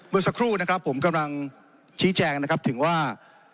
เมื่อสักครู่นะครับผมกำลังชี้แจงนะครับถึงว่า